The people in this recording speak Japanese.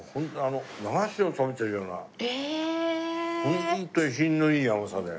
ホントに品のいい甘さで。